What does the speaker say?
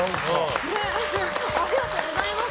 ありがとうございます。